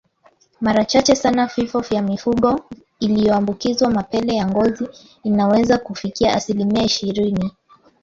Mara chache sana vifo vya mifugo iliyoambukizwa mapele ya ngozi inaweza kufikia asilimia ishirini